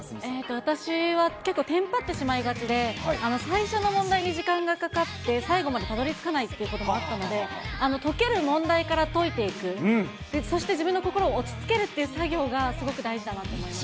私は結構、てんぱってしまいがちで、最初の問題に時間がかかって、最後までたどりつかないということもあったので、解ける問題から解いていく、そして、自分の心を落ち着けるっていう作業がすごく大事だなと思います。